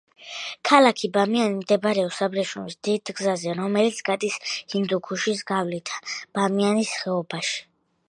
ქალაქი ბამიანი მდებარეობს აბრეშუმის დიდ გზაზე, რომელიც გადის ჰინდუქუშის გავლით, ბამიანის ხეობაში.